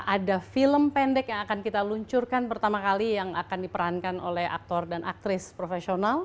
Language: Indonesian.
ada film pendek yang akan kita luncurkan pertama kali yang akan diperankan oleh aktor dan aktris profesional